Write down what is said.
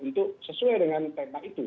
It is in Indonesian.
untuk sesuai dengan tema itu